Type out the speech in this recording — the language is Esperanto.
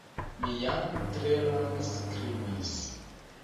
Mi jam tre longe skribis.